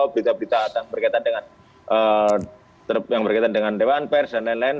berita berita berkaitan dengan yang berkaitan dengan dewan pers dan lain lain